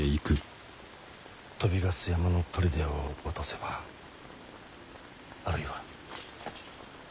鳶ヶ巣山の砦を落とせばあるいは。